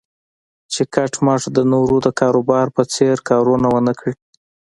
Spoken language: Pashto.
چې کټ مټ د نورو د کاروبار په څېر کارونه و نه کړي.